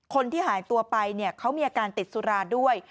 คนที่หายตัวไปเขามีอาการติดสุราด้วย